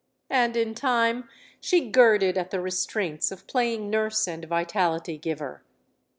And in time she girded at the restraints of playing nurse and vitality giver.